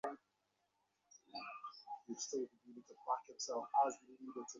যখন তার ঠিক সময় আসবে তখন তাকে অবজ্ঞা করব না।